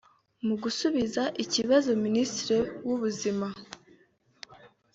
Mu gusubiza iki kibazo Minisitiri w’Ubuzima